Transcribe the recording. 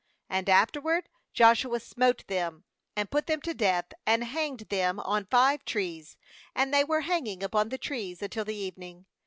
26And afterward Joshua smote them, and put them to death, and hanged them on five trees; and they were hanging upon the trees un til the evening.